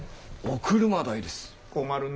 お車代ですから。